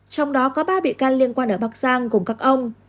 trong đó có ba biện can liên quan đến bắc giang cùng các ông